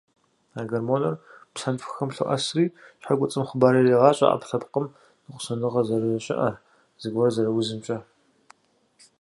А гормоныр псантхуэхэм лъоӏэсри, щхьэкуцӏым хъыбар ирегъащӏэ ӏэпкълъэпкъым ныкъусаныгъэ зэрыщыӏэр, зыгуэр зэрыузымкӏэ.